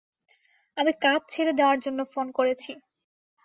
আমি কাজ ছেড়ে দেওয়ার জন্য ফোন করেছি।